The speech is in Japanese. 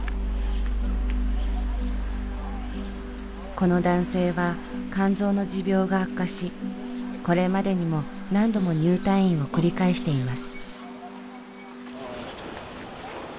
この男性は肝臓の持病が悪化しこれまでにも何度も入退院を繰り返しています。